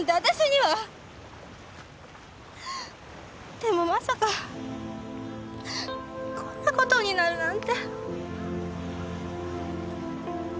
でもまさかこんな事になるなんて。